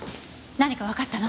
何かわかったの？